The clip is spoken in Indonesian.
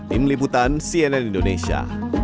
tim liputan cnn indonesia